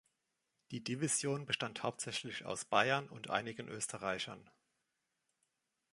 Die Division bestand hauptsächlich aus Bayern und einigen Österreichern.